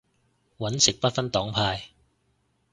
搵食不分黨派